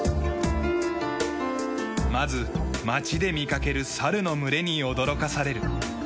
まず町で見かける猿の群れに驚かされる。